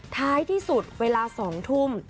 ท้ายที่สุดเวลา๒ทุ่ม